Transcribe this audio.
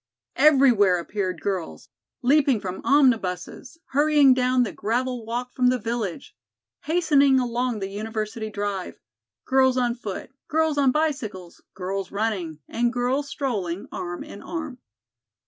Everywhere appeared girls, leaping from omnibuses; hurrying down the gravel walk from the village; hastening along the University drive; girls on foot; girls on bicycles; girls running, and girls strolling arm in arm.